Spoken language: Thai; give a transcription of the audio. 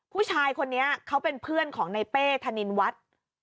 ผู้ชายคนนี้เขาเป็นเพื่อนของในเป้ธนินวัฒน์